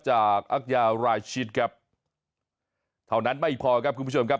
จากอักยาราชิตครับเท่านั้นไม่พอครับคุณผู้ชมครับ